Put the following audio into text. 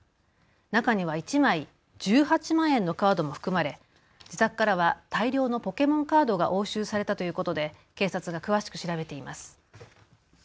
中には１枚１８万円のカードも含まれ自宅からは大量のポケモンカードが押収されたということで警察が詳しく調べています。